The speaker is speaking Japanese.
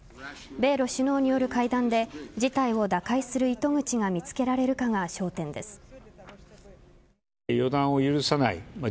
米露首脳による会談で事態を打開する糸口が見つけられるかが焦点です。